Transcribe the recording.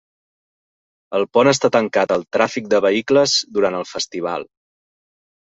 El pont està tancat al tràfic de vehicles durant el festival.